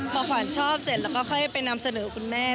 พอขวัญชอบเสร็จแล้วก็ค่อยไปนำเสนอคุณแม่